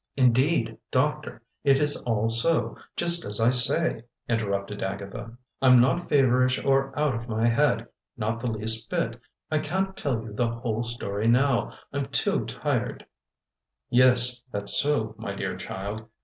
"Indeed, Doctor, it is all so, just as I say," interrupted Agatha. "I'm not feverish or out of my head, not the least bit. I can't tell you the whole story now; I'm too tired " "Yes, that's so, my dear child!"